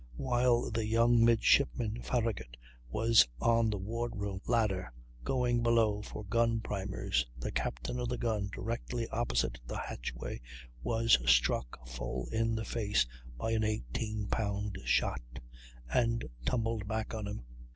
While the young midshipman, Farragut, was on the ward room ladder, going below for gun primers, the captain of the gun directly opposite the hatchway was struck full in the face by an 18 pound shot, and tumbled back on him.